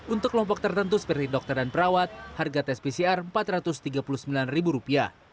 untuk kelompok tertentu seperti dokter dan perawat harga tes pcr rp empat ratus tiga puluh sembilan